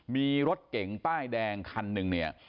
มีรถเก๋งป้ายแดงคันหนึ่งเนี่ย